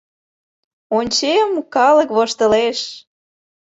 Ончем — калык воштылеш.